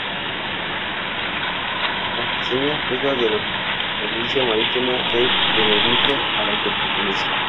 Su contraseña es la de la provincia marítima de Tenerife a la que pertenece.